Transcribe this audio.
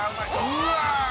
うわ」